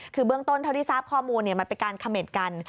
คือเบื้องต้นเท่าที่ทราบข้อมูลมันเป็นการเขม็ดกัน